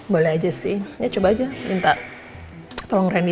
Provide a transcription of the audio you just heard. boleh aja sih ya coba aja minta tolong randy